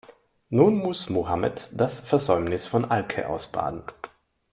Nun muss Mohammed das Versäumnis von Alke ausbaden.